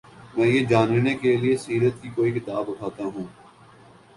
میں یہ جاننے کے لیے سیرت کی کوئی کتاب اٹھاتا ہوں۔